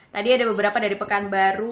tadi ada beberapa dari pekanbaru